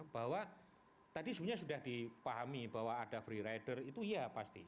bahwa tadi sebenarnya sudah dipahami bahwa ada free rider itu iya pasti